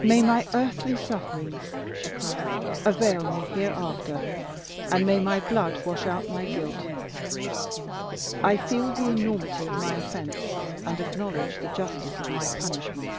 "May my earthly sufferings," she cried, "avail me here after, and may my blood wash out my guilt. I feel the enormity of my offence, and acknowledge the justice of my punishment.